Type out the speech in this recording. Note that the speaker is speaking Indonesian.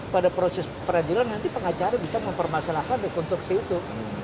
pada proses peradilan nanti pengacara bisa mempermasalahkan rekonstruksi itu